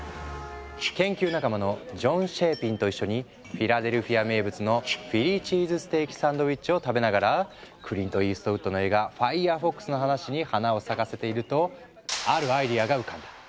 研究仲間のジョン・シェーピンと一緒にフィラデルフィア名物のフィリー・チーズステーキ・サンドイッチを食べながらクリント・イーストウッドの映画「ファイヤーフォックス」の話に花を咲かせているとあるアイデアが浮かんだ。